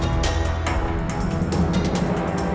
bagus bangun bagus